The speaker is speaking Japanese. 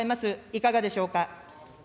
いかがでしょうか。